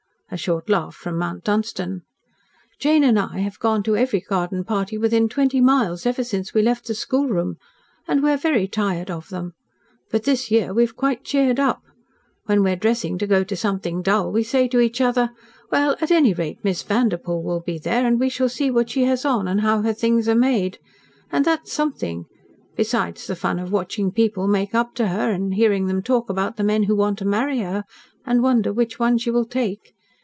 A short laugh from Mount Dunstan. "Jane and I have gone to every garden party within twenty miles, ever since we left the schoolroom. And we are very tired of them. But this year we have quite cheered up. When we are dressing to go to something dull, we say to each other, 'Well, at any rate, Miss Vanderpoel will be there, and we shall see what she has on, and how her things are made,' and that's something besides the fun of watching people make up to her, and hearing them talk about the men who want to marry her, and wonder which one she will take.